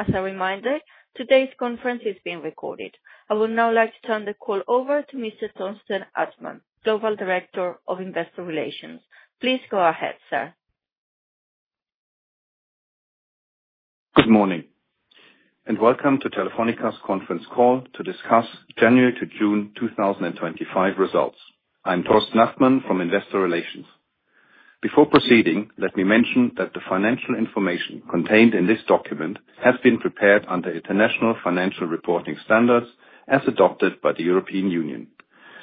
As a reminder, today's conference is being recorded. I would now like to turn the call over to Mr. Thorsten Achtmann, Global Director of Investor Relations. Please go ahead, sir. Good morning and welcome to Telefónica's conference call to discuss January to June 2025 results. I'm Thorsten Achtmann from Investor Relations. Before proceeding, let me mention that the financial information contained in this document has been prepared under International Financial Reporting Standards as adopted by the European Union.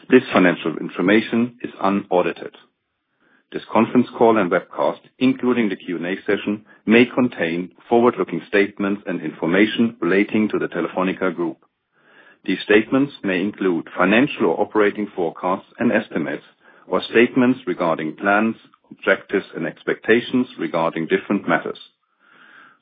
This financial information is unaudited. This conference call and webcast, including the Q&A session, may contain forward-looking statements and information relating to the Telefónica Group. These statements may include financial or operating forecasts and estimates, or statements regarding plans, objectives, and expectations regarding different matters.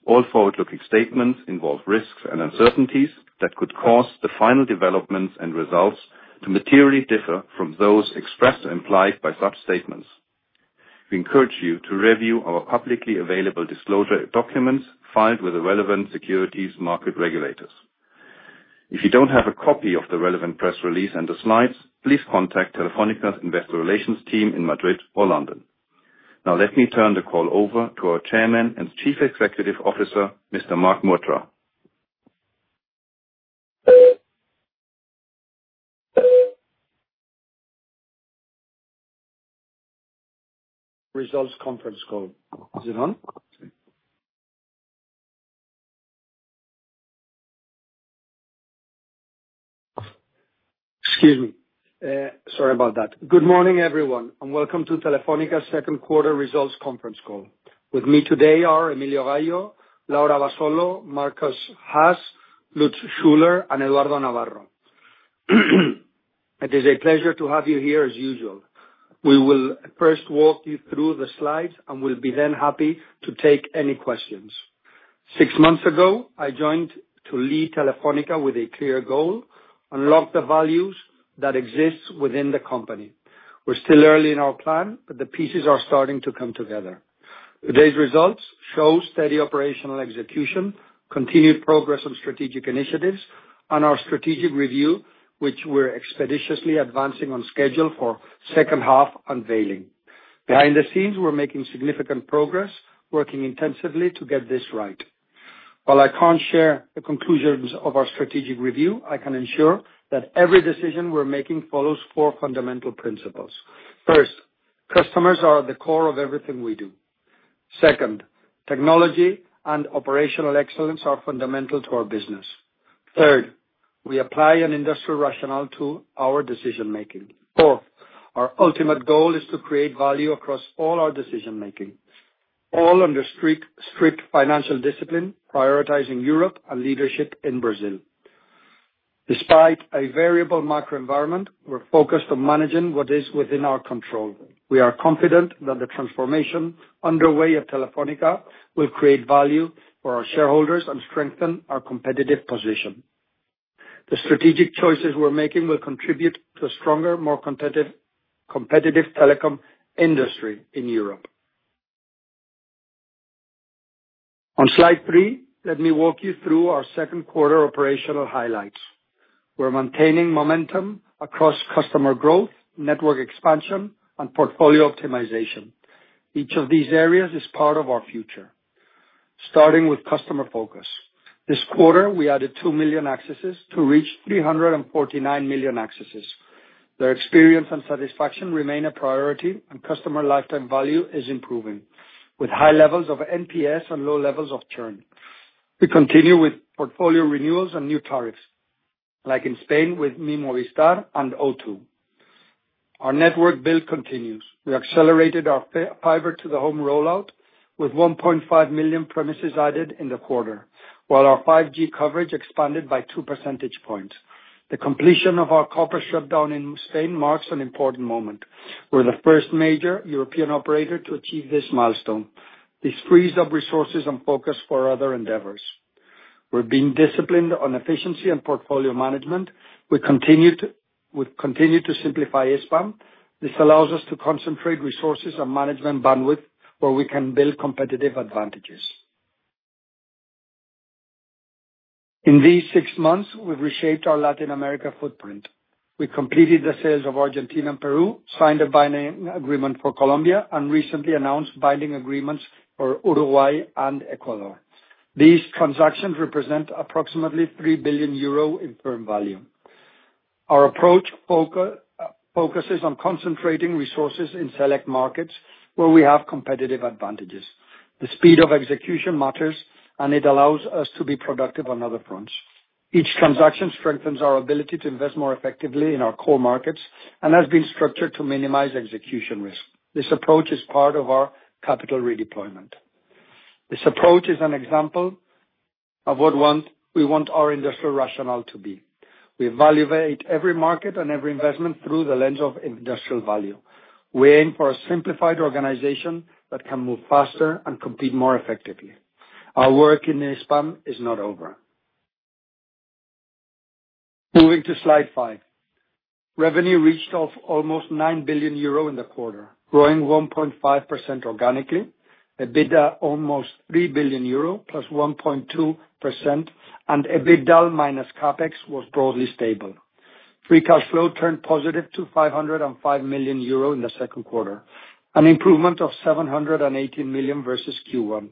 All forward-looking statements involve risks and uncertainties that could cause the final developments and results to materially differ from those expressed or implied by such statements. We encourage you to review our publicly available disclosure documents filed with the relevant securities market regulators. If you don't have a copy of the relevant press release and the slides, please contact Telefónica's Investor Relations team in Madrid or London. Now, let me turn the call over to our Chairman and Chief Executive Officer, Mr. Marc Murtra. Results conference call. Is it on? Excuse me. Sorry about that. Good morning, everyone, and welcome to Telefónica's second quarter results conference call. With me today are Emilio Gayo, Laura Abasolo, Markus Haas, Lutz Schüler, and Eduardo Navarro. It is a pleasure to have you here as usual. We will first walk you through the slides, and we'll be then happy to take any questions. Six months ago, I joined to lead Telefónica with a clear goal: unlock the values that exist within the company. We're still early in our plan, but the pieces are starting to come together. Today's results show steady operational execution, continued progress on strategic initiatives, and our strategic review, which we're expeditiously advancing on schedule for second half unveiling. Behind the scenes, we're making significant progress, working intensively to get this right. While I can't share the conclusions of our strategic review, I can ensure that every decision we're making follows four fundamental principles. First, customers are at the core of everything we do. Second, technology and operational excellence are fundamental to our business. Third, we apply an industrial rationale to our decision-making. Fourth, our ultimate goal is to create value across all our decision-making, all under strict financial discipline, prioritizing Europe and leadership in Brazil. Despite a variable macro environment, we're focused on managing what is within our control. We are confident that the transformation underway at Telefónica will create value for our shareholders and strengthen our competitive position. The strategic choices we're making will contribute to a stronger, more competitive telecom industry in Europe. On slide three, let me walk you through our second quarter operational highlights. We're maintaining momentum across customer growth, network expansion, and portfolio optimization. Each of these areas is part of our future. Starting with customer focus. This quarter, we added 2 million accesses to reach 349 million accesses. Their experience and satisfaction remain a priority, and customer lifetime value is improving, with high levels of NPS and low levels of churn. We continue with portfolio renewals and new tariffs, like in Spain with Mi Movistar and O2. Our network build continues. We accelerated our fiber-to-the-home rollout with 1.5 million premises added in the quarter, while our 5G coverage expanded by 2 percentage points. The completion of our copper shutdown in Spain marks an important moment. We're the first major European operator to achieve this milestone. This frees up resources and focus for other endeavors. We're being disciplined on efficiency and portfolio management. We continue to simplify HISPAM. This allows us to concentrate resources and management bandwidth where we can build competitive advantages. In these six months, we've reshaped our Latin America footprint. We completed the sales of Argentina and Peru, signed a binding agreement for Colombia, and recently announced binding agreements for Uruguay and Ecuador. These transactions represent approximately 3 billion euro in firm value. Our approach focuses on concentrating resources in select markets where we have competitive advantages. The speed of execution matters, and it allows us to be productive on other fronts. Each transaction strengthens our ability to invest more effectively in our core markets and has been structured to minimize execution risk. This approach is part of our capital redeployment. This approach is an example of what we want our industrial rationale to be. We evaluate every market and every investment through the lens of industrial value. We aim for a simplified organization that can move faster and compete more effectively. Our work in HISPAM is not over. Moving to slide five. Revenue reached almost 9 billion euro in the quarter, growing 1.5% organically. EBITDA almost 3 billion euro plus 1.2%, and EBITDA minus CapEx was broadly stable. Free cash flow turned positive to 505 million euro in the second quarter, an improvement of 718 million versus Q1.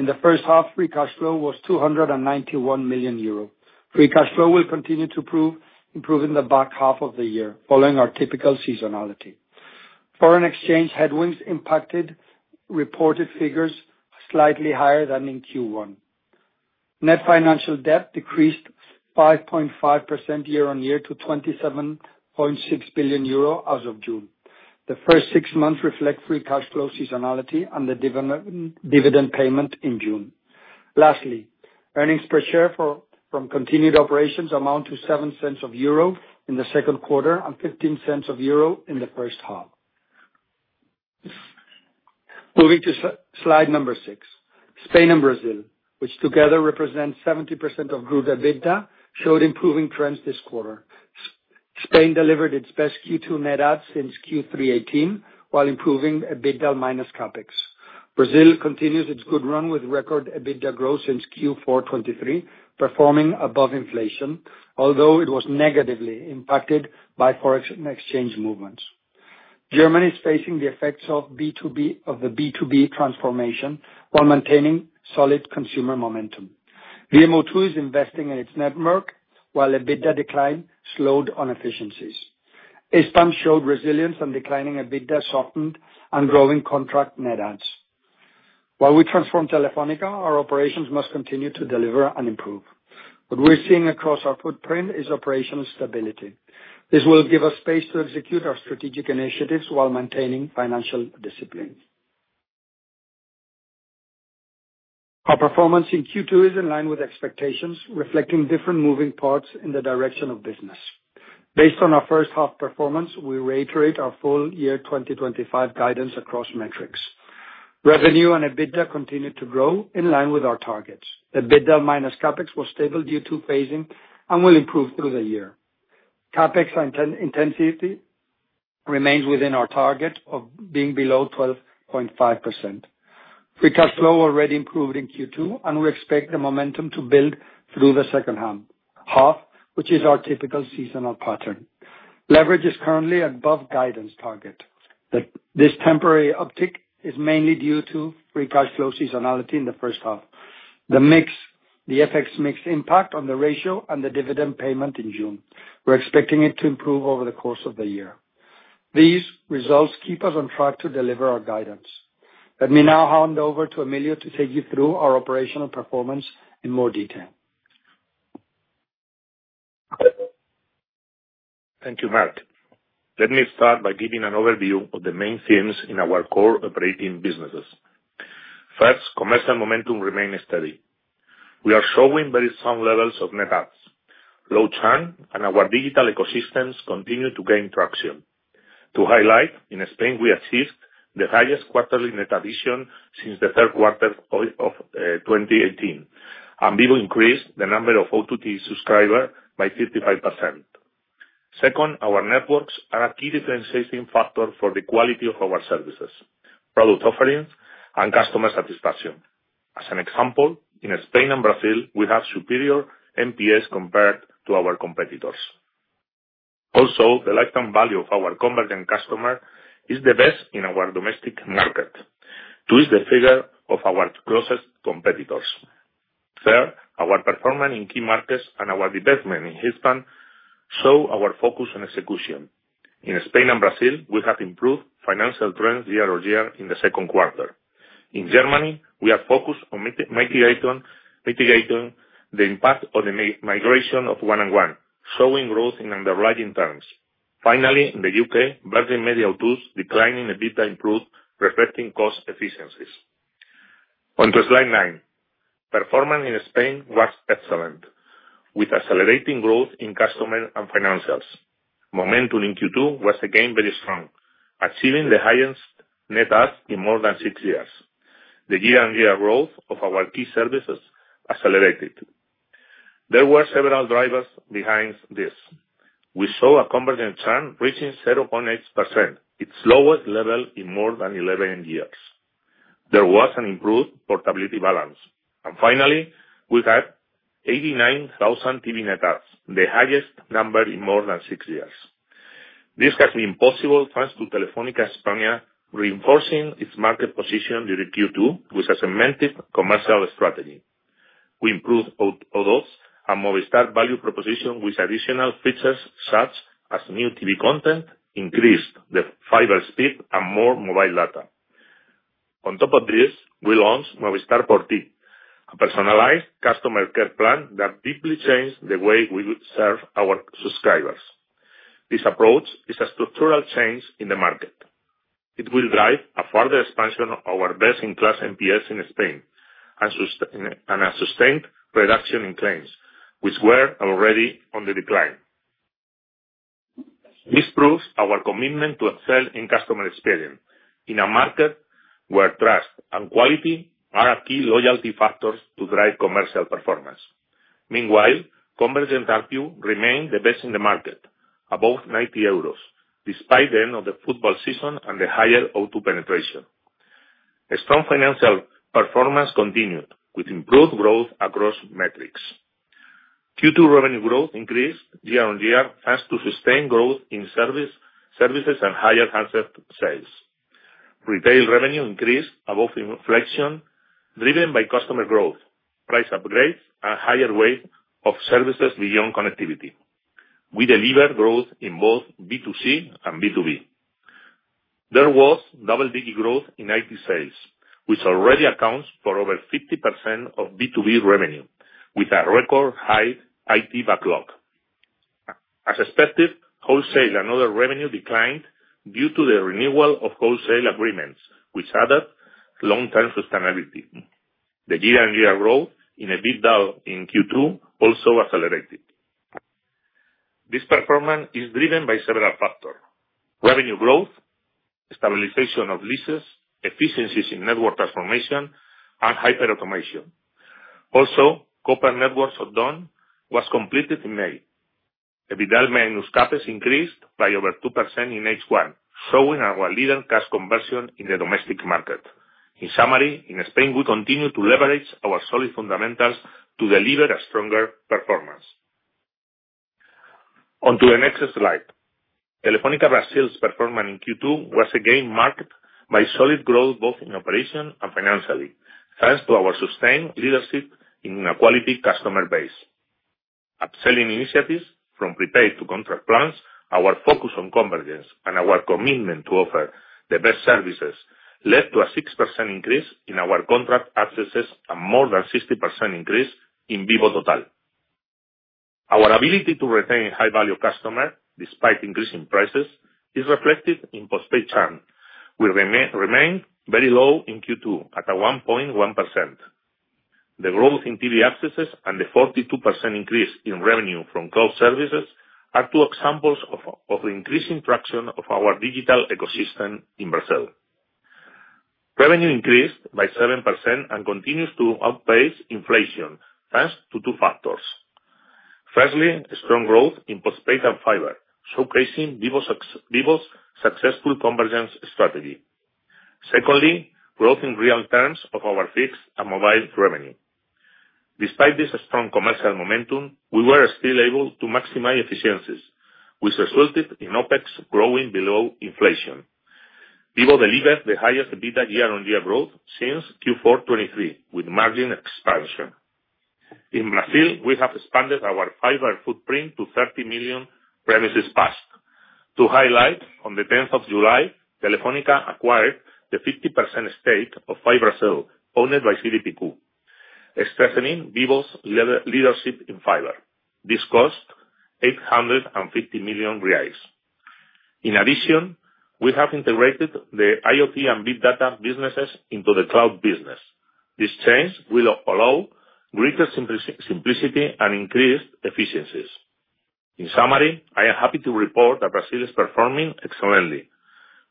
In the first half, free cash flow was 291 million euro. Free cash flow will continue to improve in the back half of the year, following our typical seasonality. Foreign exchange headwinds impacted reported figures slightly higher than in Q1. Net financial debt decreased 5.5% year-on-year to 27.6 billion euro as of June. The first six months reflect free cash flow seasonality and the dividend payment in June. Lastly, earnings per share from continued operations amount to 0.07 in the second quarter and 0.15 in the first half. Moving to slide number six, Spain and Brazil, which together represent 70% of group EBITDA, showed improving trends this quarter. Spain delivered its best Q2 net adds since Q3 2018 while improving EBITDA minus CapEx. Brazil continues its good run with record EBITDA growth since Q4 2023, performing above inflation, although it was negatively impacted by forex exchange movements. Germany is facing the effects of the B2B transformation while maintaining solid consumer momentum. VMO2 is investing in its network, while EBITDA decline slowed on efficiencies. HISPAM showed resilience and declining EBITDA softened and growing contract net adds. While we transform Telefónica, our operations must continue to deliver and improve. What we're seeing across our footprint is operational stability. This will give us space to execute our strategic initiatives while maintaining financial discipline. Our performance in Q2 is in line with expectations, reflecting different moving parts in the direction of business. Based on our first half performance, we reiterate our full year 2025 guidance across metrics. Revenue and EBITDA continue to grow in line with our targets. EBITDA minus CapEx was stable due to phasing and will improve through the year. CapEx intensity remains within our target of being below 12.5%. Free cash flow already improved in Q2, and we expect the momentum to build through the second half, which is our typical seasonal pattern. Leverage is currently above guidance target. This temporary uptick is mainly due to free cash flow seasonality in the first half, the FX mix impact on the ratio, and the dividend payment in June. We're expecting it to improve over the course of the year. These results keep us on track to deliver our guidance. Let me now hand over to Emilio to take you through our operational performance in more detail. Thank you, Marc. Let me start by giving an overview of the main themes in our core operating businesses. First, commercial momentum remains steady. We are showing very strong levels of net adds. Low churn and our digital ecosystems continue to gain traction. To highlight, in Spain, we achieved the highest quarterly net addition since the third quarter of 2018, and we've increased the number of OTT subscribers by 55%. Second, our networks are a key differentiating factor for the quality of our services, product offerings, and customer satisfaction. As an example, in Spain and Brazil, we have superior NPS compared to our competitors. Also, the lifetime value of our convergent customer is the best in our domestic market, two is the figure of our closest competitors. Third, our performance in key markets and our investment in HISPAM show our focus on execution. In Spain and Brazil, we have improved financial trends year-over-year in the second quarter. In Germany, we are focused on mitigating the impact of the migration of 1&1, showing growth in underwriting terms. Finally, in the U.K., Virgin Media O2's decline in EBITDA improved, reflecting cost efficiencies. Onto slide nine. Performance in Spain was excellent, with accelerating growth in customer and financials. Momentum in Q2 was again very strong, achieving the highest net adds in more than six years. The year-on-year growth of our key services accelerated. There were several drivers behind this. We saw a convergent churn reaching 0.8%, its lowest level in more than 11 years. There was an improved portability balance. Finally, we had 89,000 TV net adds, the highest number in more than six years. This has been possible thanks to Telefónica España, reinforcing its market position during Q2 with a cemented commercial strategy. We improved O2's and Movistar's value proposition with additional features such as new TV content, increased the fiber speed, and more mobile data. On top of this, we launched Movistar por ti, a personalized customer care plan that deeply changed the way we serve our subscribers. This approach is a structural change in the market. It will drive a further expansion of our best-in-class NPS in Spain and a sustained reduction in claims, which were already on the decline. This proves our commitment to excel in customer experience in a market where trust and quality are key loyalty factors to drive commercial performance. Meanwhile, convergent ARPU remained the best in the market, above 90 euros, despite the end of the football season and the higher O2 penetration. Strong financial performance continued with improved growth across metrics. Q2 revenue growth increased year-on-year thanks to sustained growth in services and higher handset sales. Retail revenue increased above inflation, driven by customer growth, price upgrades, and higher weight of services beyond connectivity. We delivered growth in both B2C and B2B. There was double-digit growth in IT sales, which already accounts for over 50% of B2B revenue, with a record-high IT backlog. As expected, wholesale and other revenue declined due to the renewal of wholesale agreements, which added long-term sustainability. The year-on-year growth in EBITDA in Q2 also accelerated. This performance is driven by several factors: revenue growth, stabilization of leases, efficiencies in network transformation, and hyperautomation. Also, copper network's add-on was completed in May. EBITDA minus CapEx increased by over 2% in H1, showing our leading cash conversion in the domestic market. In summary, in Spain, we continue to leverage our solid fundamentals to deliver a stronger performance. Onto the next slide. Telefónica Brasil's performance in Q2 was again marked by solid growth both in operations and financially, thanks to our sustained leadership in a quality customer base. Upselling initiatives from prepaid to contract plans, our focus on convergence, and our commitment to offer the best services led to a 6% increase in our contract accesses and more than 60% increase in Vivo Total. Our ability to retain high-value customers despite increasing prices is reflected in postpaid churn, which remained very low in Q2 at 1.1%. The growth in TV accesses and the 42% increase in revenue from cloud services are two examples of the increasing traction of our digital ecosystem in Brazil. Revenue increased by 7% and continues to outpace inflation thanks to two factors. Firstly, strong growth in postpaid and fiber, showcasing Vivo's successful convergence strategy. Secondly, growth in real terms of our fixed and mobile revenue. Despite this strong commercial momentum, we were still able to maximize efficiencies, which resulted in OpEx growing below inflation. Vivo delivered the highest EBITDA year-on-year growth since Q4 2023, with margin expansion. In Brazil, we have expanded our fiber footprint to 30 million premises passed. To highlight, on the 10th of July, Telefónica acquired the 50% stake of FiBrasil, owned by CDPQ, strengthening Vivo's leadership in fiber. This cost 850 million reais. In addition, we have integrated the IoT and big data businesses into the cloud business. This change will allow greater simplicity and increased efficiencies. In summary, I am happy to report that Brazil is performing excellently.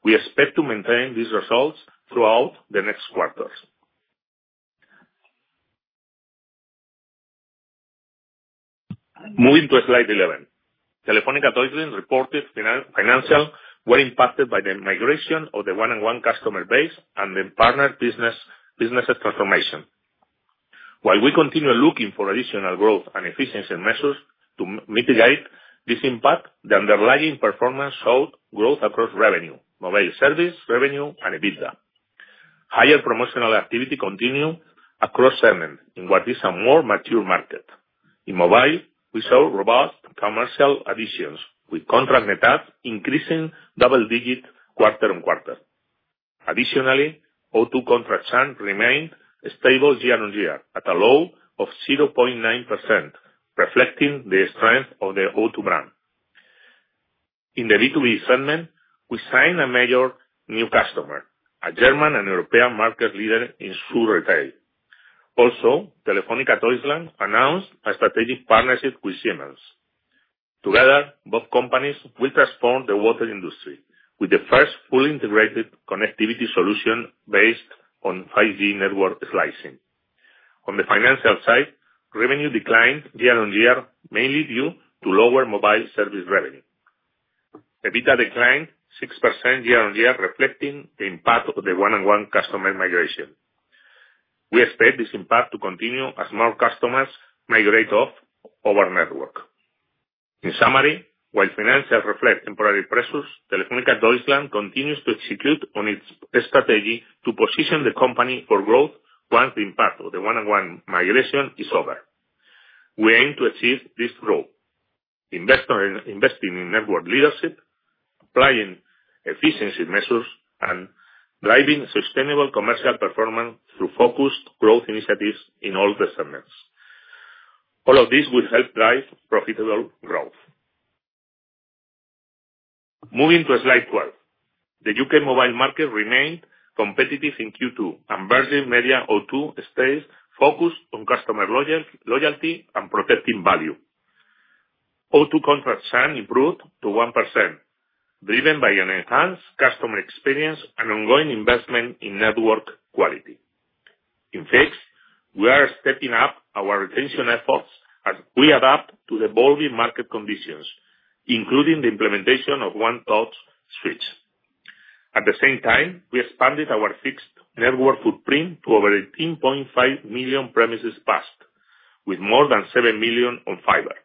We expect to maintain these results throughout the next quarters. Moving to slide 11, Telefónica Deutschland reported financials were impacted by the migration of the 1&1 customer base and the partner businesses' transformation. While we continue looking for additional growth and efficiency measures to mitigate this impact, the underlying performance showed growth across revenue, mobile service revenue, and EBITDA. Higher promotional activity continued across segments in what is a more mature market. In mobile, we saw robust commercial additions, with contract net adds increasing double-digit quarter on quarter. Additionally, O2 contract churn remained stable year-on-year at a low of 0.9%, reflecting the strength of the O2 brand. In the B2B segment, we signed a major new customer, a German and a European market leader in shoe retail. Also, Telefónica Deutschland announced a strategic partnership with Siemens. Together, both companies will transform the water industry with the first fully integrated connectivity solution based on 5G network slicing. On the financial side, revenue declined year-on-year, mainly due to lower mobile service revenue. EBITDA declined 6% year-on-year, reflecting the impact of the 1&1 customer migration. We expect this impact to continue as more customers migrate off our network. In summary, while financials reflect temporary pressures, Telefónica Deutschland continues to execute on its strategy to position the company for growth once the impact of the 1&1 migration is over. We aim to achieve this growth, investing in network leadership, applying efficiency measures, and driving sustainable commercial performance through focused growth initiatives in all the segments. All of these will help drive profitable growth. Moving to slide 12, the U.K. mobile market remained competitive in Q2, and Virgin Media O2 stays focused on customer loyalty and protecting value. O2 contract churn improved to 1%, driven by an enhanced customer experience and ongoing investment in network quality. In fact, we are stepping up our retention efforts as we adapt to the evolving market conditions, including the implementation of One Touch Switch. At the same time, we expanded our fixed network footprint to over 18.5 million premises passed, with more than 7 million on fiber.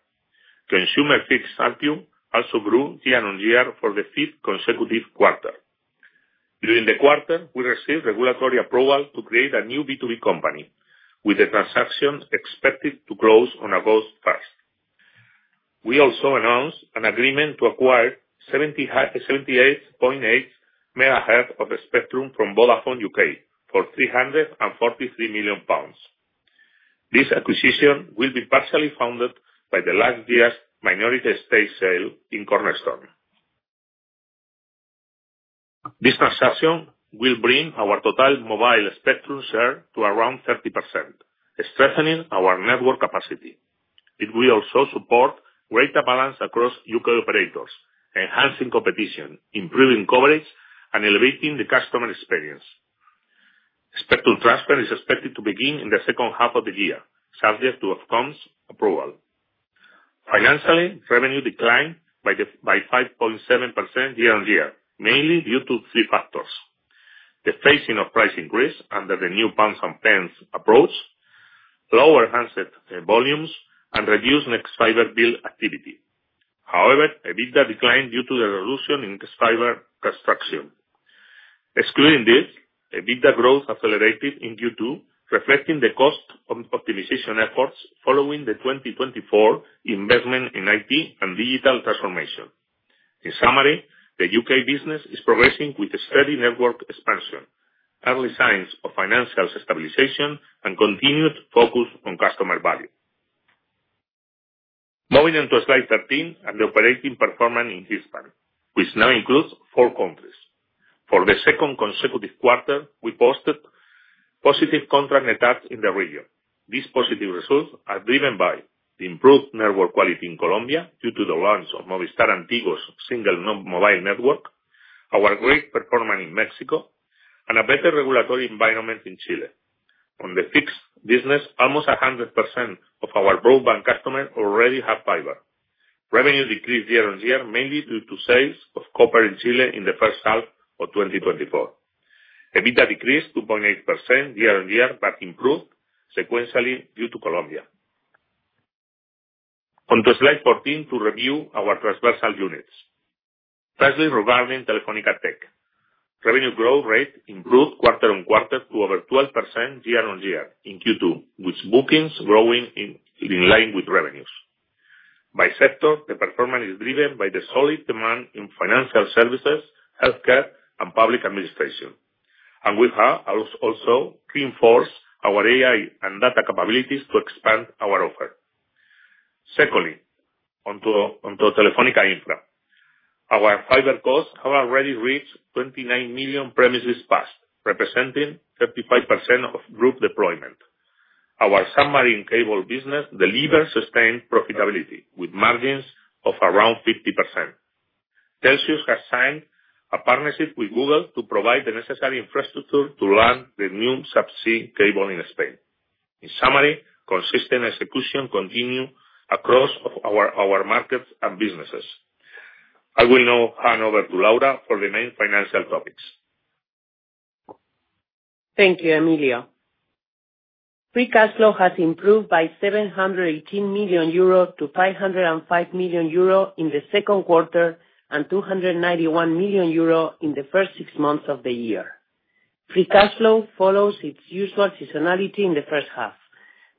Consumer fixed RPU also grew year-on-year for the fifth consecutive quarter. During the quarter, we received regulatory approval to create a new B2B company, with the transaction expected to close on August 1st. We also announced an agreement to acquire 78.8 megahertz of spectrum from Vodafone UK for 343 million pounds. This acquisition will be partially funded by the last year's minority stake sale in Cornerstone. This transaction will bring our total mobile spectrum share to around 30%, strengthening our network capacity. It will also support greater balance across U.K. operators, enhancing competition, improving coverage, and elevating the customer experience. Spectrum transfer is expected to begin in the second half of the year, subject to outcomes approval. Financially, revenue declined by 5.7% year-on-year, mainly due to three factors: the phasing of price increase under the new pounds and pence approach, lower handset volumes, and reduced next fiber bill activity. However, EBITDA declined due to the reduction in next fiber construction. Excluding this, EBITDA growth accelerated in Q2, reflecting the cost optimization efforts following the 2024 investment in IT and digital transformation. In summary, the U.K. business is progressing with steady network expansion, early signs of financial stabilization, and continued focus on customer value. Moving on to slide 13 and the operating performance in HISPAM, which now includes four countries. For the second consecutive quarter, we posted positive contract net adds in the region. These positive results are driven by the improved network quality in Colombia due to the launch of Movistar Antigos single mobile network, our great performance in Mexico, and a better regulatory environment in Chile. On the fixed business, almost 100% of our broadband customers already have fiber. Revenue decreased year-on-year, mainly due to sales of copper in Chile in the first half of 2024. EBITDA decreased 2.8% year-on-year but improved sequentially due to Colombia. Onto slide 14 to review our transversal units. Firstly, regarding Telefónica Tech, revenue growth rate improved quarter on quarter to over 12% year-on-year in Q2, with bookings growing in line with revenues. By sector, the performance is driven by the solid demand in financial services, healthcare, and public administration. We have also reinforced our AI and data capabilities to expand our offer. Secondly, onto Telefónica Infra. Our fiber costs have already reached 29 million premises passed, representing 55% of group deployment. Our submarine cable business delivers sustained profitability with margins of around 50%. Telxius has signed a partnership with Google to provide the necessary infrastructure to land the new subsea cable in Spain. In summary, consistent execution continues across our markets and businesses. I will now hand over to Laura for the main financial topics. Thank you, Emilio. Free cash flow has improved by 718 million euro to 505 million euro in the second quarter and 291 million euro in the first six months of the year. Free cash flow follows its usual seasonality in the first half,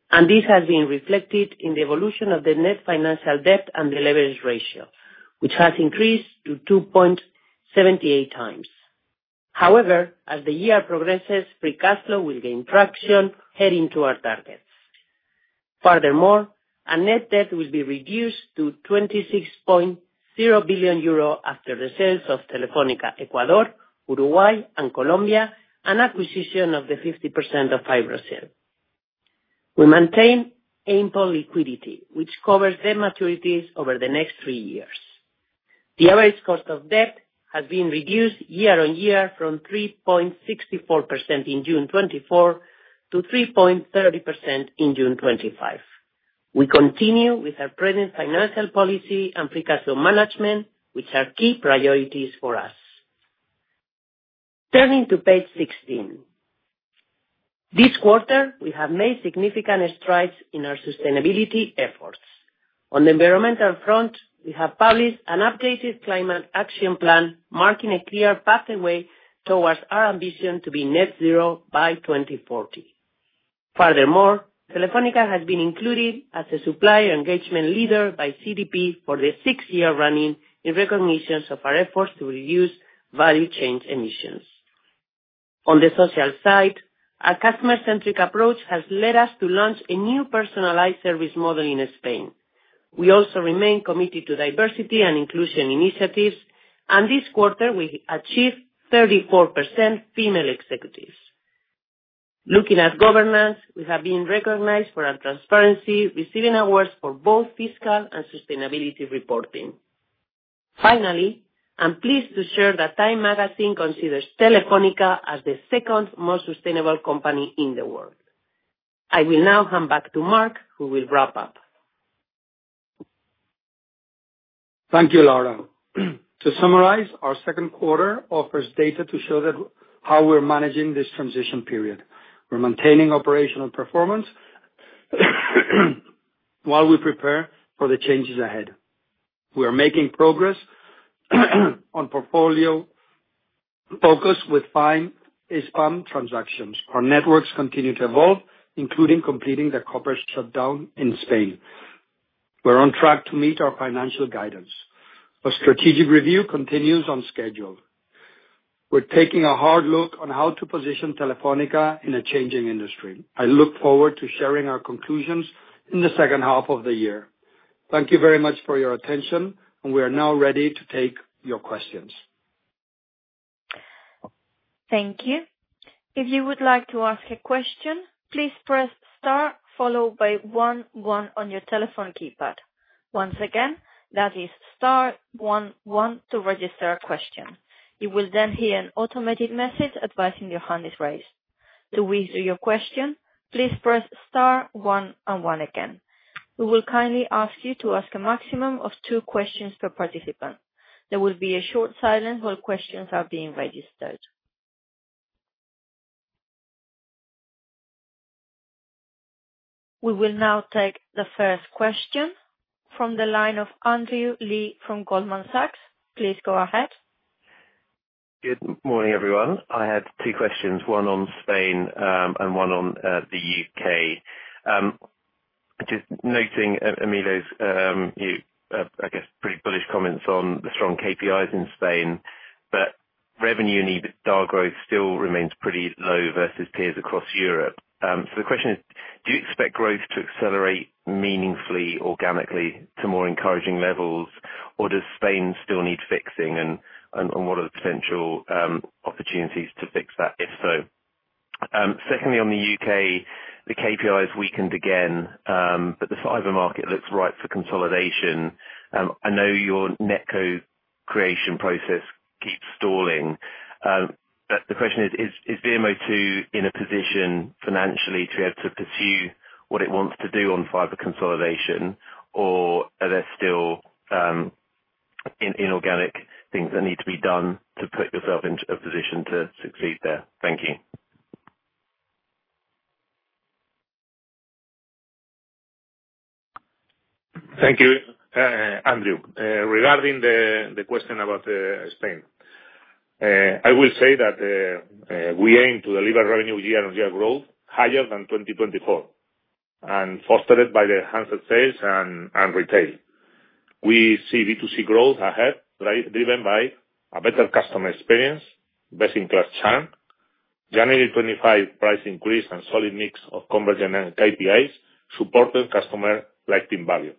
and this has been reflected in the evolution of the net financial debt and the leverage ratio, which has increased to 2.78 times. However, as the year progresses, free cash flow will gain traction heading toward targets. Furthermore, net debt will be reduced to 26.0 billion euro after the sales of Telefónica Ecuador, Uruguay, and Colombia, and acquisition of the 50% of FiBrasil. We maintain ample liquidity, which covers debt maturities over the next three years. The average cost of debt has been reduced year-on-year from 3.64% in June 2024 to 3.30% in June 2025. We continue with our present financial policy and free cash flow management, which are key priorities for us. Turning to page 16. This quarter, we have made significant strides in our sustainability efforts. On the environmental front, we have published an updated climate action plan, marking a clear pathway towards our ambition to be net zero by 2040. Furthermore, Telefónica has been included as a supplier engagement leader by CDP for the sixth year running in recognition of our efforts to reduce value chain emissions. On the social side, our customer-centric approach has led us to launch a new personalized service model in Spain. We also remain committed to diversity and inclusion initiatives, and this quarter, we achieved 34% female executives. Looking at governance, we have been recognized for our transparency, receiving awards for both fiscal and sustainability reporting. Finally, I'm pleased to share that Time Magazine considers Telefónica as the second most sustainable company in the world. I will now hand back to Marc, who will wrap up. Thank you, Laura. To summarize, our second quarter offers data to show how we're managing this transition period. We're maintaining operational performance while we prepare for the changes ahead. We are making progress on portfolio focus with fine HISPAM transactions. Our networks continue to evolve, including completing the copper shutdown in Spain. We're on track to meet our financial guidance. Our strategic review continues on schedule. We're taking a hard look on how to position Telefónica in a changing industry. I look forward to sharing our conclusions in the second half of the year. Thank you very much for your attention, and we are now ready to take your questions. Thank you. If you would like to ask a question, please press star followed by one one on your telephone keypad. Once again, that is star one one to register a question. You will then hear an automated message advising your hand is raised. To withdraw your question, please press star one and one again. We will kindly ask you to ask a maximum of two questions per participant. There will be a short silence while questions are being registered. We will now take the first question from the line of Andrew Lee from Goldman Sachs. Please go ahead. Good morning, everyone. I had two questions, one on Spain and one on the U.K. Just noting Emilio's, I guess, pretty bullish comments on the strong KPIs in Spain, where revenue and EBITDA growth still remains pretty low versus peers across Europe. So the question is, do you expect growth to accelerate meaningfully, organically to more encouraging levels, or does Spain still need fixing, and what are the potential opportunities to fix that, if so? Secondly, on the U.K., the KPIs weakened again, but the fiber market looks ripe for consolidation. I know your NetCo creation process keeps stalling. But the question is, is VMO2 in a position financially to be able to pursue what it wants to do on fiber consolidation, or are there still inorganic things that need to be done to put yourself into a position to succeed there? Thank you. Thank you. Andrew, regarding the question about Spain. I will say that we aim to deliver revenue year-on-year growth higher than 2024. Fostered by the handset sales and retail. We see B2C growth ahead driven by a better customer experience, best-in-class churn, January 2025 price increase, and solid mix of convergent and KPIs supporting customer lighting value.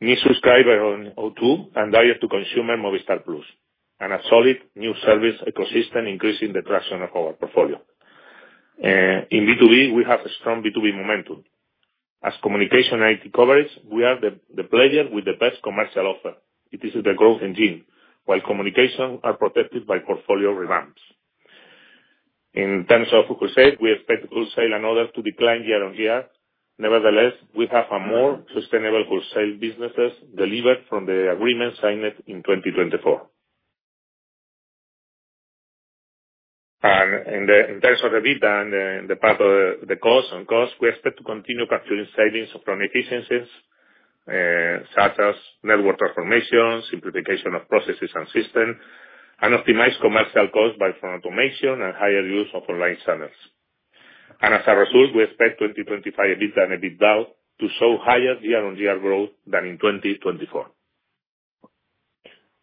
New subscriber on O2 and direct-to-consumer Movistar Plus, and a solid new service ecosystem increasing the traction of our portfolio. In B2B, we have a strong B2B momentum. As communication and IT coverage, we are the player with the best commercial offer. It is the growth engine, while communications are protected by portfolio revamps. In terms of wholesale, we expect the wholesale and order to decline year-on-year. Nevertheless, we have more sustainable wholesale businesses delivered from the agreement signed in 2024. In terms of EBITDA and the part of the cost and cost, we expect to continue capturing savings from efficiencies, such as network transformation, simplification of processes and systems, and optimized commercial costs by front automation and higher use of online channels. As a result, we expect 2025 EBIT and EBITDA to show higher year-on-year growth than in 2024.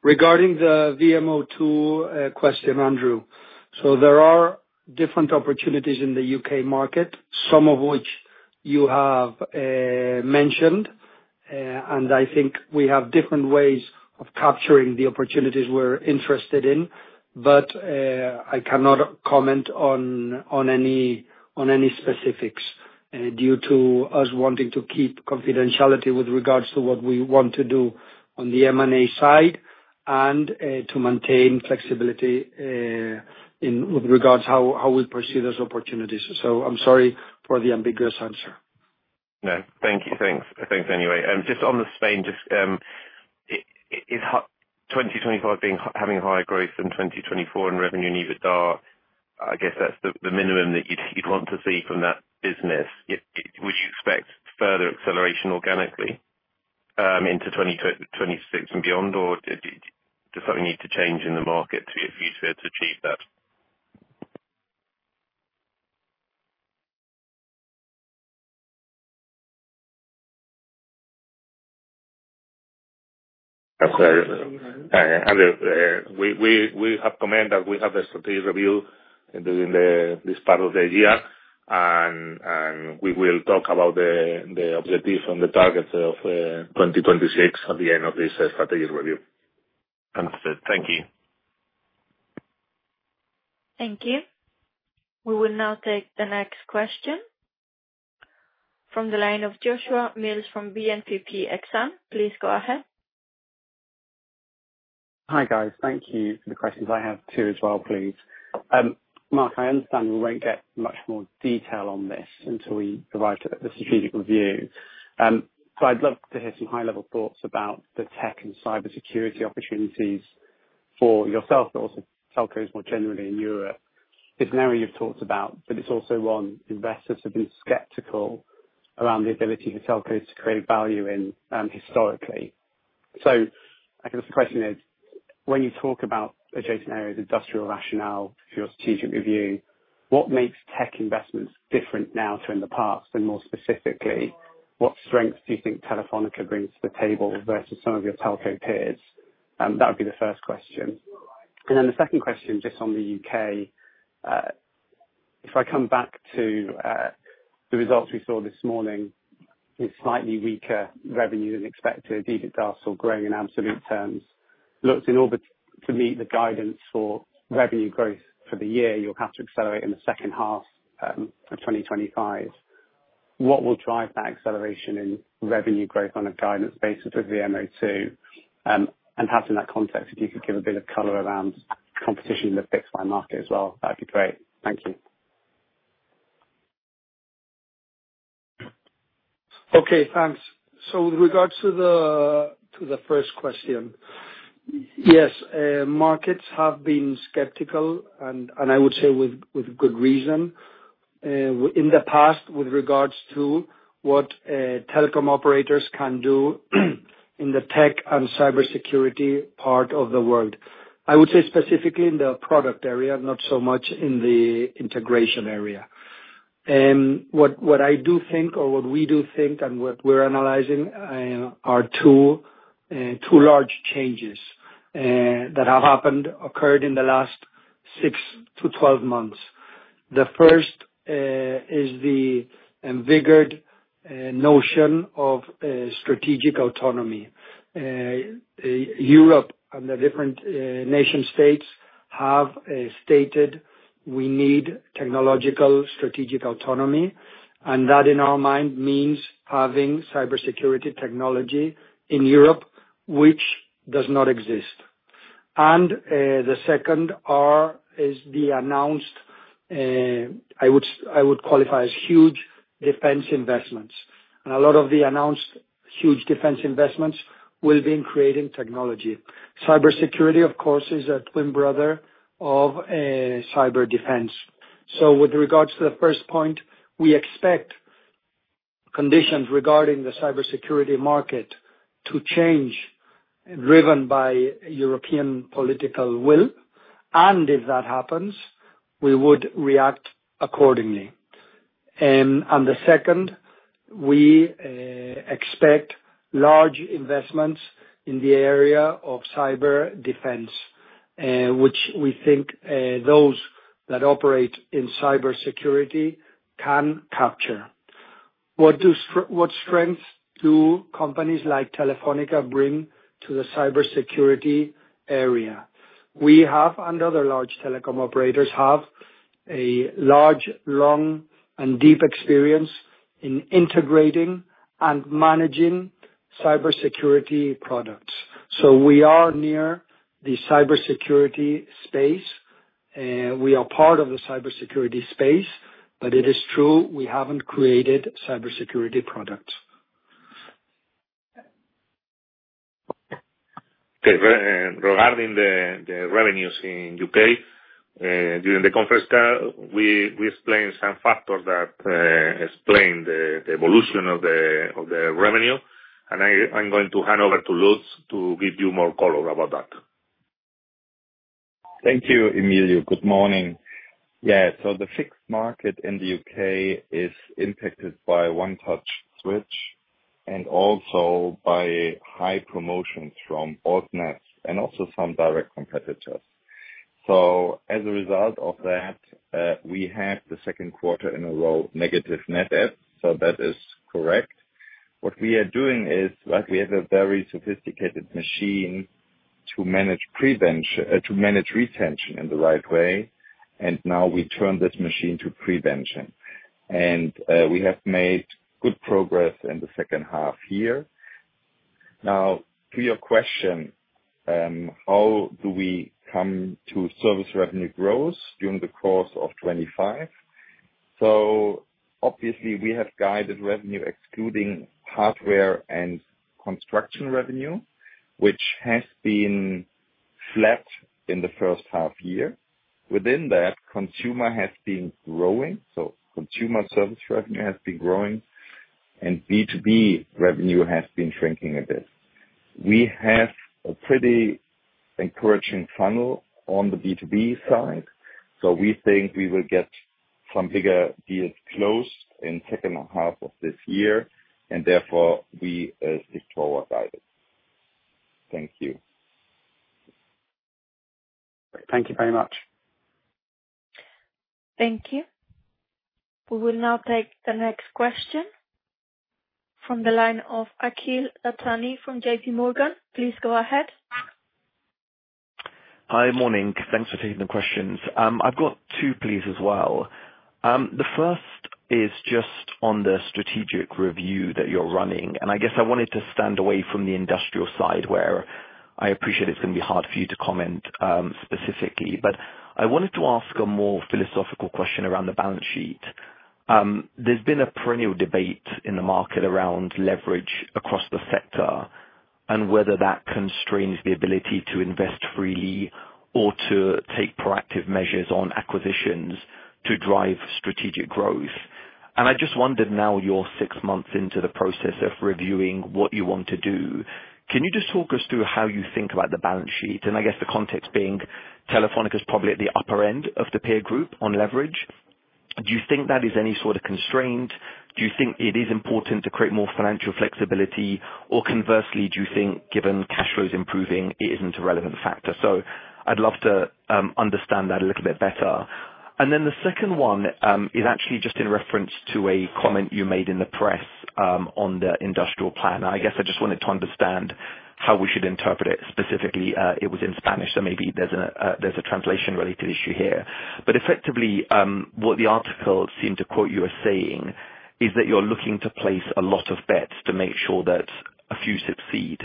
Regarding the VMO2 question, Andrew, there are different opportunities in the U.K. market, some of which you have mentioned. I think we have different ways of capturing the opportunities we're interested in, but I cannot comment on any specifics due to us wanting to keep confidentiality with regards to what we want to do on the M&A side and to maintain flexibility with regards to how we pursue those opportunities. I'm sorry for the ambiguous answer. No, thank you. Thanks, thanks anyway. Just on the Spain, just. Is 2025 having higher growth than 2024 in revenue and EBITDA, I guess that's the minimum that you'd want to see from that business. Would you expect further acceleration organically into 2026 and beyond, or does something need to change in the market for you to be able to achieve that? Absolutely. We have commented that we have the strategic review during this part of the year, and we will talk about the objectives and the targets of 2026 at the end of this strategic review. Understood. Thank you. Thank you. We will now take the next question from the line of Joshua Mills from BNPP Exane. Please go ahead. Hi guys. Thank you for the questions. I have two as well, please. Marc, I understand we won't get much more detail on this until we arrive at the strategic review. I'd love to hear some high-level thoughts about the tech and cybersecurity opportunities for yourself, but also telcos more generally in Europe. It's an area you've talked about, but it's also one investors have been skeptical around the ability for telcos to create value in historically. I guess the question is, when you talk about adjacent areas, industrial rationale for your strategic review, what makes tech investments different now to in the past? And more specifically, what strengths do you think Telefónica brings to the table versus some of your telco peers? That would be the first question. The second question, just on the U.K. If I come back to the results we saw this morning, it's slightly weaker revenue than expected. EBITDA is still growing in absolute terms. Look, to meet the guidance for revenue growth for the year, you'll have to accelerate in the second half of 2025. What will drive that acceleration in revenue growth on a guidance basis with VMO2? Perhaps in that context, if you could give a bit of color around competition in the fixed-fine market as well, that'd be great. Thank you. Okay, thanks. With regards to the first question, yes, markets have been skeptical, and I would say with good reason. In the past, with regards to what telecom operators can do in the tech and cybersecurity part of the world, I would say specifically in the product area, not so much in the integration area. What I do think, or what we do think, and what we're analyzing are two large changes that have occurred in the last six to 12 months. The first is the embiggered notion of strategic autonomy. Europe and the different nation-states have stated we need technological strategic autonomy, and that in our mind means having cybersecurity technology in Europe, which does not exist. The second is the announced, I would qualify as huge defense investments. A lot of the announced huge defense investments will be in creating technology. Cybersecurity, of course, is a twin brother of cyber defense. With regards to the first point, we expect conditions regarding the cybersecurity market to change driven by European political will, and if that happens, we would react accordingly. The second, we expect large investments in the area of cyber defense, which we think those that operate in cybersecurity can capture. What strengths do companies like Telefónica bring to the cybersecurity area? We have, and other large telecom operators have, a large, long, and deep experience in integrating and managing cybersecurity products. So we are near the cybersecurity space. We are part of the cybersecurity space, but it is true we haven't created cybersecurity products. Okay. Regarding the revenues in the U.K. During the conference call, we explained some factors that explain the evolution of the revenue, and I'm going to hand over to Lutz to give you more color about that. Thank you, Emilio. Good morning. Yeah, the fixed market in the U.K. is impacted by One Touch Switch and also by high promotions from AuthNet and also some direct competitors. As a result of that, we had the second quarter in a row negative net debt, so that is correct. What we are doing is we have a very sophisticated machine to manage retention in the right way, and now we turn this machine to prevention. We have made good progress in the second half here. Now, to your question. How do we come to service revenue growth during the course of 2025? Obviously, we have guided revenue excluding hardware and construction revenue, which has been flat in the first half year. Within that, consumer has been growing, so consumer service revenue has been growing, and B2B revenue has been shrinking a bit. We have a pretty encouraging funnel on the B2B side, so we think we will get some bigger deals closed in the second half of this year, and therefore we stick to our target. Thank you. Thank you very much. Thank you. We will now take the next question. From the line of Akhil Dattani from JPMorgan. Please go ahead. Hi, morning. Thanks for taking the questions. I've got two, please, as well. The first is just on the strategic review that you're running, and I guess I wanted to stand away from the industrial side, where I appreciate it's going to be hard for you to comment specifically, but I wanted to ask a more philosophical question around the balance sheet. There's been a perennial debate in the market around leverage across the sector and whether that constrains the ability to invest freely or to take proactive measures on acquisitions to drive strategic growth. I just wondered now you're six months into the process of reviewing what you want to do. Can you just talk us through how you think about the balance sheet? The context being Telefónica is probably at the upper end of the peer group on leverage. Do you think that is any sort of constraint? Do you think it is important to create more financial flexibility, or conversely, do you think, given cash flow is improving, it isn't a relevant factor? I would love to understand that a little bit better. The second one is actually just in reference to a comment you made in the press on the industrial plan. I guess I just wanted to understand how we should interpret it. Specifically, it was in Spanish, so maybe there is a translation-related issue here. Effectively, what the article seemed to quote you as saying is that you are looking to place a lot of bets to make sure that a few succeed.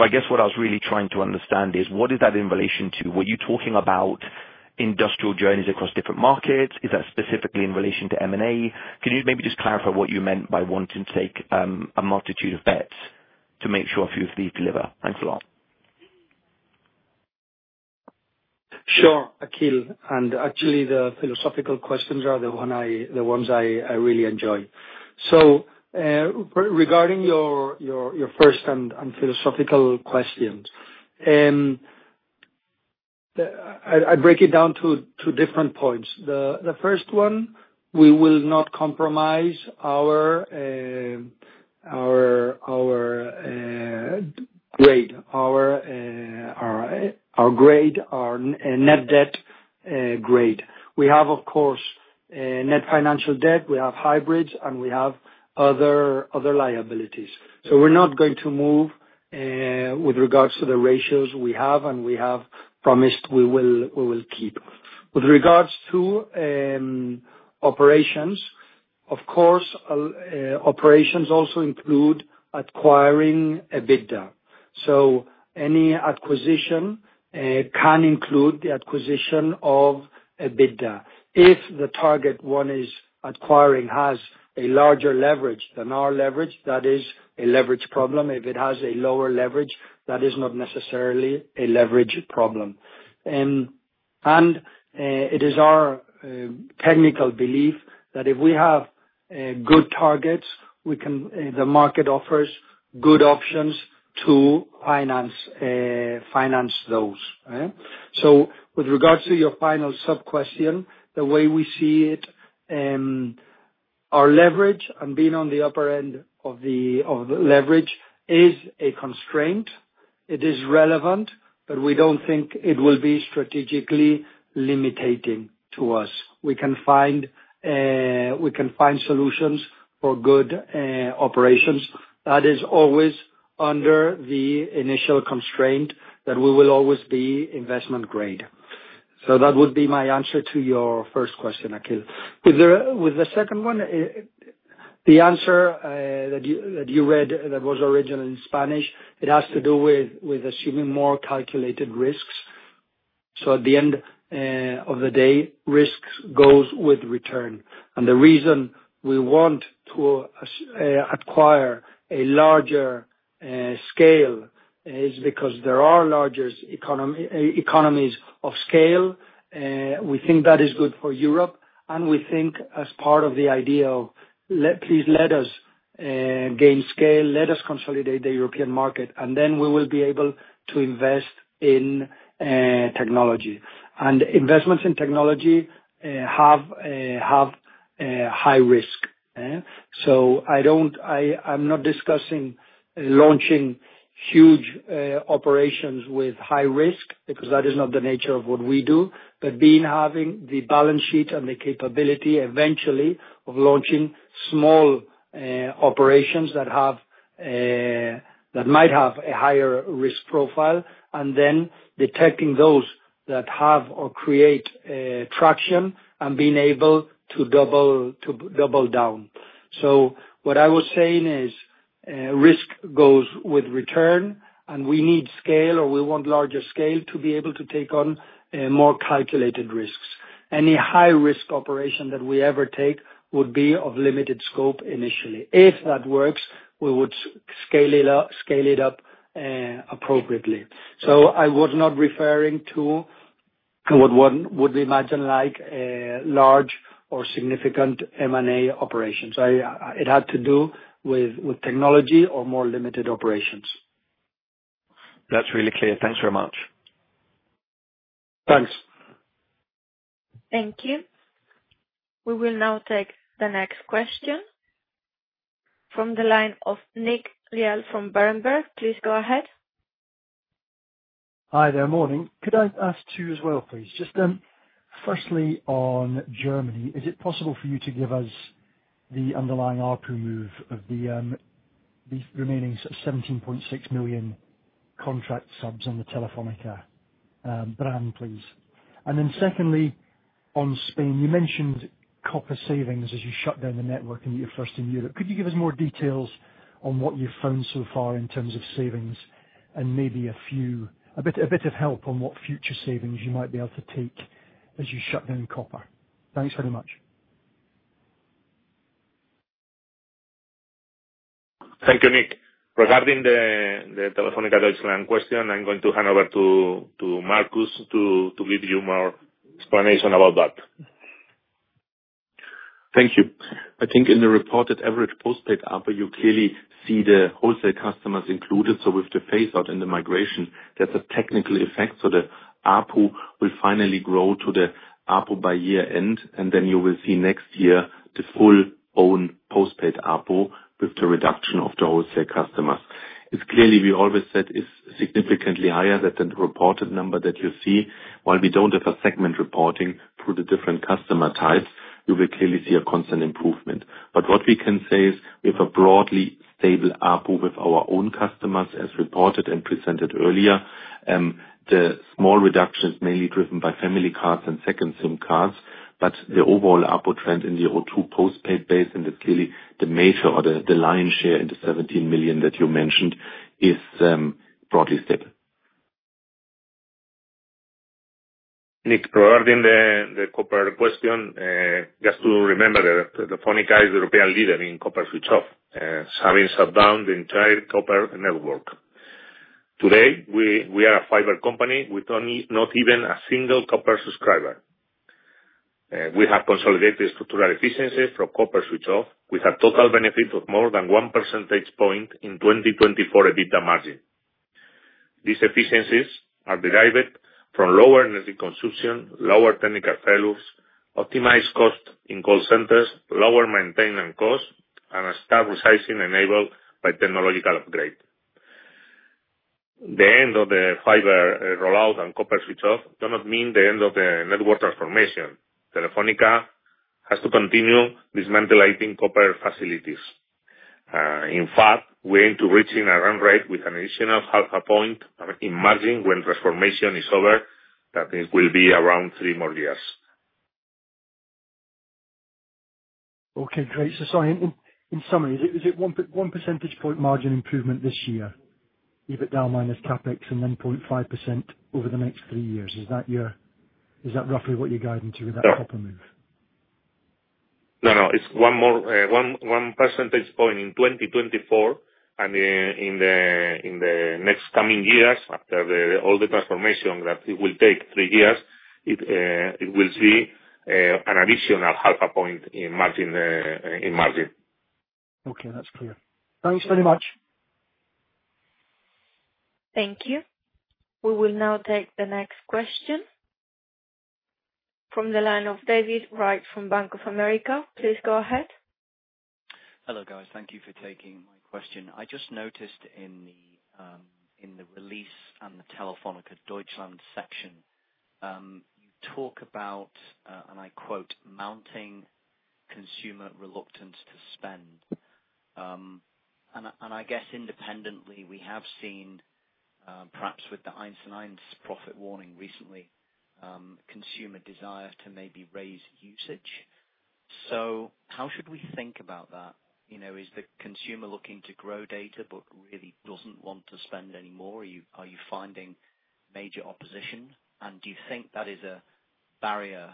I guess what I was really trying to understand is, what is that in relation to? Were you talking about industrial journeys across different markets? Is that specifically in relation to M&A? Can you maybe just clarify what you meant by wanting to take a multitude of bets to make sure a few of these deliver? Thanks a lot. Sure, Akhil. Actually, the philosophical questions are the ones I really enjoy. Regarding your first and philosophical questions, I break it down to different points. The first one, we will not compromise our grade, and net debt grade. We have, of course, net financial debt. We have hybrids, and we have other liabilities. We are not going to move with regards to the ratios we have and we have promised we will keep. With regards to operations, of course, operations also include acquiring EBITDA. Any acquisition can include the acquisition of EBITDA. If the target one is acquiring has a larger leverage than our leverage, that is a leverage problem. If it has a lower leverage, that is not necessarily a leverage problem. It is our technical belief that if we have good targets, the market offers good options to finance those. With regards to your final sub-question, the way we see it, our leverage and being on the upper end of the leverage is a constraint. It is relevant, but we do not think it will be strategically limiting to us. We can find solutions for good operations. That is always under the initial constraint that we will always be investment-grade. That would be my answer to your first question, Akhil. With the second one, the answer that you read that was originally in Spanish, it has to do with assuming more calculated risks. At the end of the day, risk goes with return. The reason we want to acquire a larger scale is because there are larger economies of scale. We think that is good for Europe, and we think as part of the idea of, "Please let us. Gain scale. Let us consolidate the European market," and then we will be able to invest in. Technology. And investments in technology. Have. High risk. So I'm not discussing launching huge operations with high risk because that is not the nature of what we do, but having the balance sheet and the capability eventually of launching small. Operations that. Might have a higher risk profile, and then detecting those that have or create traction and being able to double down. What I was saying is. Risk goes with return, and we need scale or we want larger scale to be able to take on more calculated risks. Any high-risk operation that we ever take would be of limited scope initially. If that works, we would scale it up. Appropriately. I was not referring to. What we imagine like large or significant M&A operations. It had to do with technology or more limited operations. That's really clear. Thanks very much. Thanks. Thank you. We will now take the next question. From the line of Nick Lyall from Berenberg. Please go ahead. Hi, there. Morning. Could I ask two as well, please? Just. Firstly, on Germany, is it possible for you to give us the underlying ARPU move of the. Remaining 17.6 million. Contract subs on the Telefónica. Brand, please? And then secondly, on Spain, you mentioned copper savings as you shut down the network and you're first in Europe. Could you give us more details on what you've found so far in terms of savings and maybe a bit of help on what future savings you might be able to take as you shut down copper? Thanks very much. Thank you, Nick. Regarding the Telefónica Deutschland question, I'm going to hand over to. Markus to give you more explanation about that. Thank you. I think in the reported average postpaid ARPU, you clearly see the wholesale customers included. With the phased-out and the migration, there's a technical effect. The ARPU will finally grow to the ARPU by year-end, and then you will see next year the full-own postpaid ARPU with the reduction of the wholesale customers. It's clearly, we always said, is significantly higher than the reported number that you see. While we don't have a segment reporting through the different customer types, you will clearly see a constant improvement. What we can say is we have a broadly stable ARPU with our own customers, as reported and presented earlier. The small reduction is mainly driven by family cars and second SIM cards, but the overall ARPU trend in the O2 postpaid base, and it is clearly the major or the lion's share in the 17 million that you mentioned, is broadly stable. Nick, regarding the copper question, just to remember that Telefónica is the European leader in copper switch-off, having shut down the entire copper network. Today, we are a fiber company with not even a single copper subscriber. We have consolidated structural efficiencies from copper switch-off. We have total benefit of more than one percentage point in 2024 EBITDA margin. These efficiencies are derived from lower energy consumption, lower technical failures, optimized cost in call centers, lower maintenance costs, and staff resigning enabled by technological upgrade. The end of the fiber rollout and copper switch-off does not mean the end of the network transformation. Telefónica has to continue dismantling copper facilities. In fact, we are into reaching a run rate with an additional half a point in margin when transformation is over. That will be around three more years. Okay. Great. In summary, is it one percentage point margin improvement this year, EBITDA minus CapEx, and then 0.5% over the next three years? Is that roughly what you are guiding to with that copper move? No, no. It is one percentage point in 2024, and in the next coming years, after all the transformation that it will take three years, it will see an additional half a point in margin. Okay. That is clear. Thanks very much. Thank you. We will now take the next question. From the line of David Wright from Bank of America. Please go ahead. Hello, guys. Thank you for taking my question. I just noticed in the release on the Telefónica Deutschland section, you talk about, and I quote, "mounting consumer reluctance to spend." I guess independently, we have seen, perhaps with the 1&1's profit warning recently, consumer desire to maybe raise usage. How should we think about that? Is the consumer looking to grow data but really does not want to spend anymore? Are you finding major opposition? Do you think that is a barrier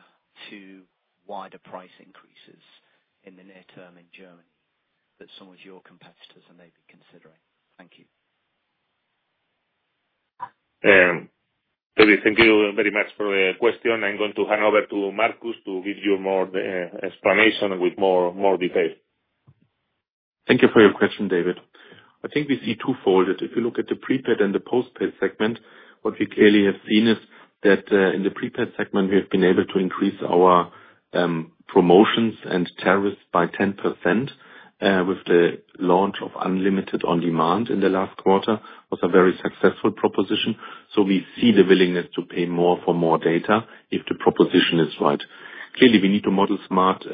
to wider price increases in the near term in Germany that some of your competitors are maybe considering? Thank you. David, thank you very much for the question. I am going to hand over to Markus to give you more explanation with more detail. Thank you for your question, David. I think we see twofold. If you look at the prepaid and the postpaid segment, what we clearly have seen is that in the prepaid segment, we have been able to increase our promotions and tariffs by 10%. With the launch of unlimited on demand in the last quarter, it was a very successful proposition. We see the willingness to pay more for more data if the proposition is right. Clearly, we need to model smart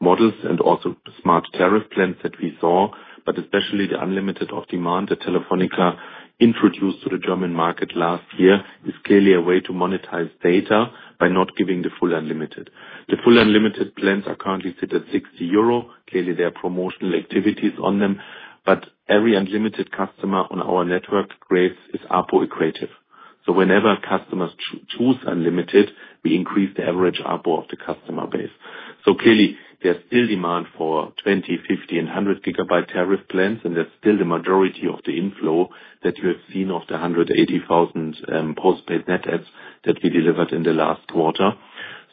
models and also smart tariff plans that we saw, but especially the unlimited on demand that Telefónica introduced to the German market last year is clearly a way to monetize data by not giving the full unlimited. The full unlimited plans are currently set at 60 euro. Clearly, there are promotional activities on them, but every unlimited customer on our network grades is ARPU equative. Whenever customers choose unlimited, we increase the average ARPU of the customer base. Clearly, there is still demand for 20, 50, and 100-gigabyte tariff plans, and that is still the majority of the inflow that you have seen of the 180,000 postpaid net adds that we delivered in the last quarter.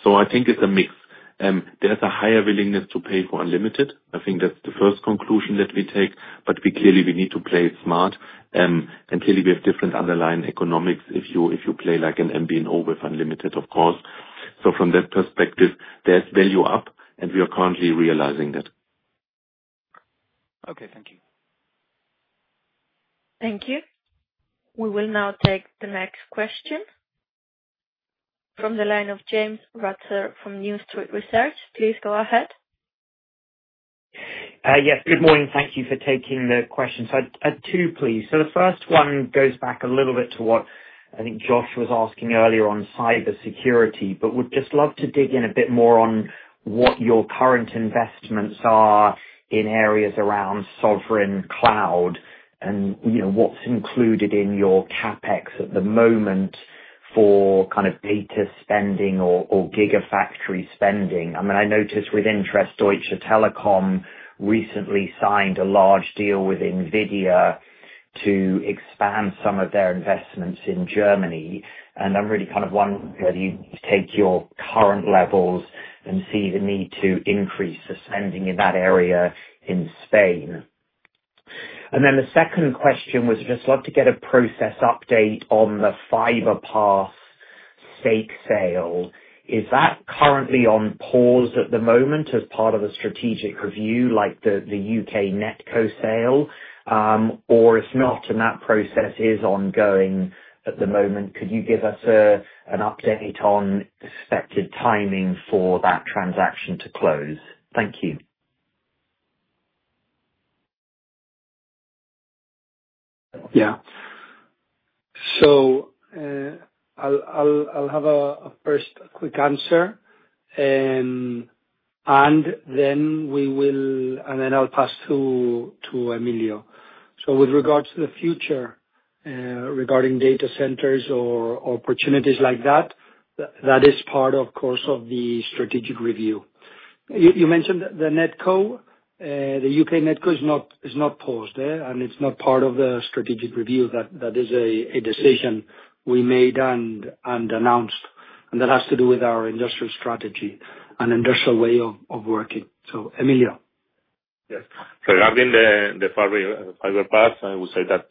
I think it is a mix. There is a higher willingness to pay for unlimited. I think that is the first conclusion that we take, but clearly, we need to play it smart. Clearly, we have different underlying economics if you play like an MVNO with unlimited, of course. From that perspective, there is value up, and we are currently realizing that. Okay. Thank you. Thank you. We will now take the next question. From the line of James Ratzer from New Street Research. Please go ahead. Yes. Good morning. Thank you for taking the question. Two, please. The first one goes back a little bit to what I think Josh was asking earlier on cybersecurity, but would just love to dig in a bit more on what your current investments are in areas around sovereign cloud and what is included in your CapEx at the moment for kind of data spending or gigafactory spending. I mean, I noticed with interest, Deutsche Telekom recently signed a large deal with NVIDIA to expand some of their investments in Germany. I am really kind of wondering whether you take your current levels and see the need to increase the spending in that area in Spain. The second question was I would just love to get a process update on the Fiberpass stake sale. Is that currently on pause at the moment as part of a strategic review like the U.K. NetCo sale? Or if not, and that process is ongoing at the moment, could you give us an update on expected timing for that transaction to close? Thank you. Yeah. I'll have a first quick answer. Then I'll pass to Emilio. With regards to the future, regarding data centers or opportunities like that, that is part, of course, of the strategic review. You mentioned the NetCo. The U.K. NetCo is not paused, and it's not part of the strategic review. That is a decision we made and announced, and that has to do with our industrial strategy and industrial way of working. Emilio. Yes. Regarding the Fiberpass I would say that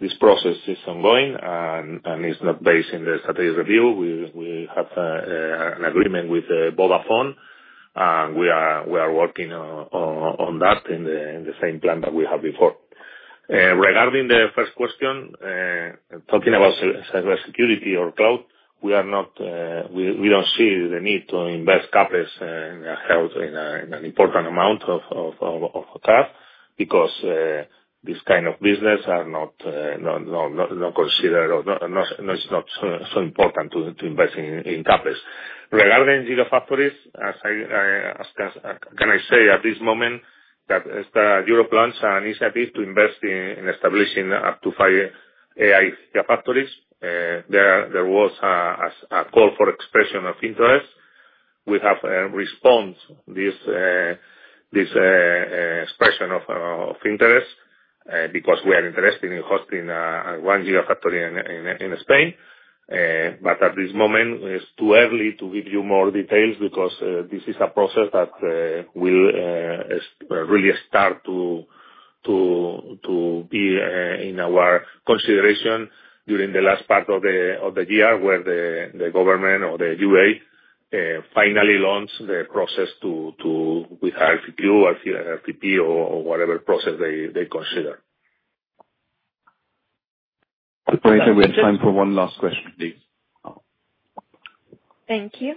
this process is ongoing and is not based in the strategic review. We have an agreement with Vodafone, and we are working on that in the same plan that we had before. Regarding the first question, talking about cybersecurity or cloud, we do not see the need to invest CapEx in an important amount of cloud because these kinds of businesses are not considered or not so important to invest in CapEx. Regarding gigafactories, can I say at this moment, Europe launched an initiative to invest in establishing up to five AI gigafactories. There was a call for expression of interest. We have responded to this expression of interest because we are interested in hosting one gigafactory in Spain. At this moment, it's too early to give you more details because this is a process that will really start to be in our consideration during the last part of the year where the government or the U.A. finally launch the process with RFPQ, RFPP, or whatever process they consider. Good point. We have time for one last question, please. Thank you.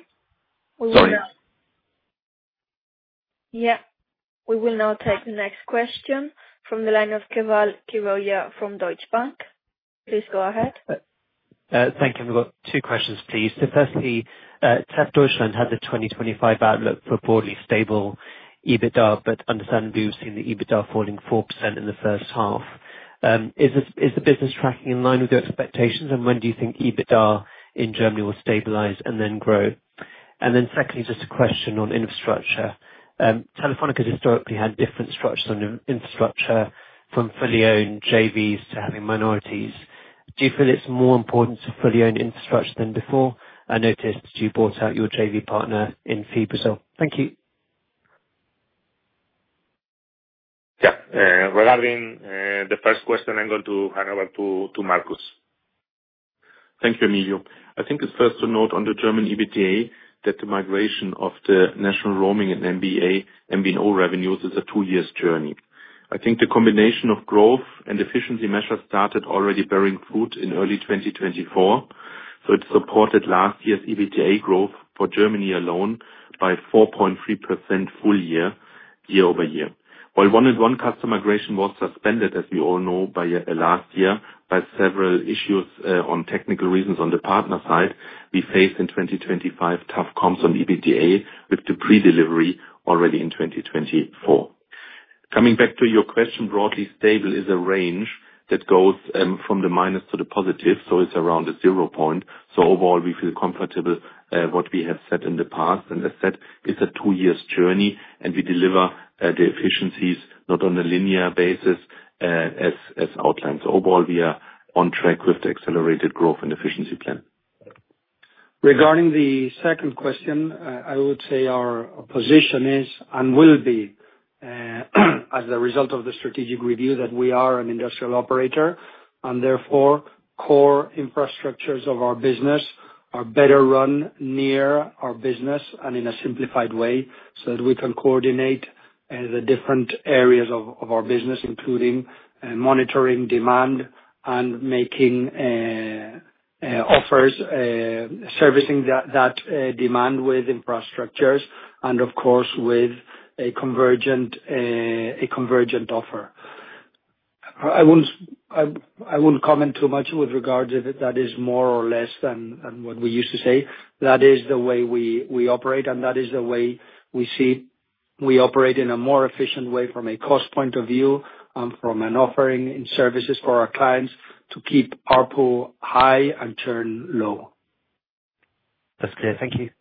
We will now, sorry. Yeah. We will now take the next question from the line of Keval Khiroya from Deutsche Bank. Please go ahead. Thank you. We've got two questions, please. Firstly, Tef Deutschland had the 2025 outlook for broadly stable EBITDA, but understandably, we've seen the EBITDA falling 4% in the first half. Is the business tracking in line with your expectations, and when do you think EBITDA in Germany will stabilize and then grow? Secondly, just a question on infrastructure. Telefónica has historically had different structures on infrastructure from fully-owned JVs to having minorities. Do you feel it's more important to fully own infrastructure than before? I noticed you bought out your JV partner in FiBrasil. Thank you. Yeah. Regarding the first question, I'm going to hand over to Markus. Thank you, Emilio. I think it's fair to note on the German EBITDA that the migration of the national roaming and MB&O revenues is a two-year journey. I think the combination of growth and efficiency measures started already bearing fruit in early 2024. It supported last year's EBITDA growth for Germany alone by 4.3% full year year-over-year. While one-on-one customer migration was suspended, as we all know, last year by several issues on technical reasons on the partner side, we faced in 2025 tough comps on EBITDA with the pre-delivery already in 2024. Coming back to your question, broadly stable is a range that goes from the minus to the positive, so it's around a zero point. Overall, we feel comfortable what we have said in the past. As said, it's a two-year journey, and we deliver the efficiencies not on a linear basis as outlined. Overall, we are on track with the accelerated growth and efficiency plan. Regarding the second question, I would say our position is and will be. As the result of the strategic review that we are an industrial operator, and therefore, core infrastructures of our business are better run near our business and in a simplified way so that we can coordinate the different areas of our business, including monitoring demand and making offers, servicing that demand with infrastructures and, of course, with a convergent offer. I won't comment too much with regard to that. That is more or less than what we used to say. That is the way we operate, and that is the way we see we operate in a more efficient way from a cost point of view and from an offering in services for our clients to keep ARPU high and churn low. That's clear. Thank you.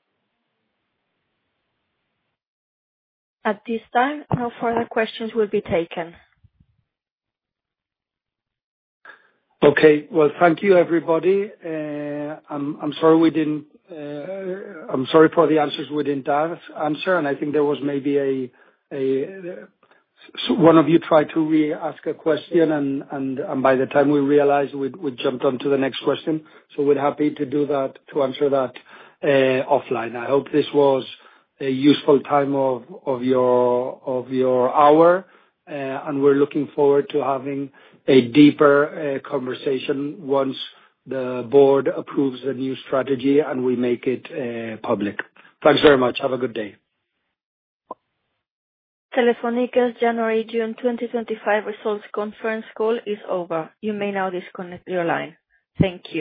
At this time, no further questions will be taken. Okay. Thank you, everybody. I'm sorry we didn't. I'm sorry for the answers we didn't answer. I think there was maybe a. One of you tried to reask a question, and by the time we realized, we jumped on to the next question. We're happy to answer that offline. I hope this was a useful time of your hour, and we're looking forward to having a deeper conversation once the board approves the new strategy and we make it public. Thanks very much. Have a good day. Telefónica's January-June 2025 results conference call is over. You may now disconnect your line. Thank you.